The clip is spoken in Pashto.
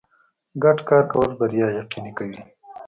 ګډ کار کول بریا یقیني کوي.